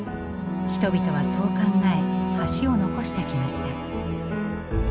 人々はそう考え橋を残してきました。